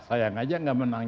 sayang aja gak menang